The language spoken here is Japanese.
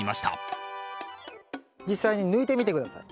実際に抜いてみて下さい。